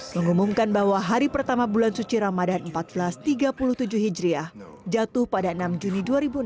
mengumumkan bahwa hari pertama bulan suci ramadan seribu empat ratus tiga puluh tujuh hijriah jatuh pada enam juni dua ribu enam belas